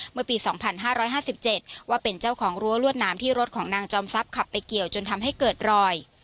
เมื่อปี๒๕๕๗ว่าเป็นเจ้าของรั้วลวดน้ำที่รถของนางจอมทรัพย์ขับไปเกี่ยวจนทำให้เกิดรอย